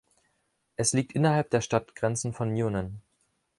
Es liegt innerhalb der Stadtgrenzen von Newnan.